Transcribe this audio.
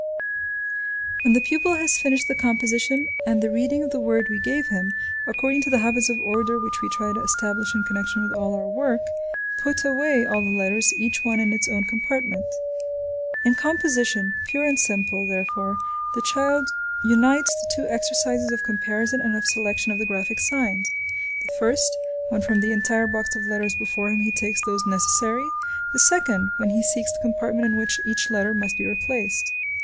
When the pupil has finished the composition and the reading of the word we have him, according to the habits of order which we try to establish in connection with all our work, "put away " all the letters, each one in its own compartment. In composition, pure and simple, therefore, the child unites the two exercises of comparison and of selection of the graphic signs; the first, when from the entire box of letters before him he takes those necessary; the second, when he seeks the compartment in which each letter must be replaced.